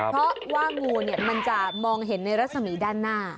เพราะว่างูมันจะมองเห็นในรัศมีด้านหน้า